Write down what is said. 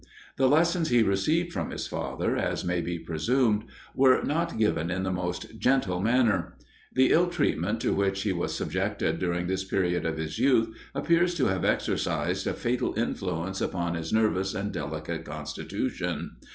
The lessons he received from his father, as may be presumed, were not given in the most gentle manner. The ill treatment to which he was subjected during this period of his youth, appears to have exercised a fatal influence upon his nervous and delicate constitution.